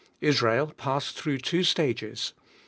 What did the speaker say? Israel passed through two stages.